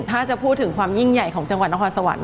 ถ้าจะพูดถึงความยิ่งใหญ่ของจังหวัดนครสวรรค